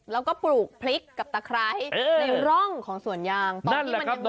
แล้วก็ปลูกพริกกับตะคร้าย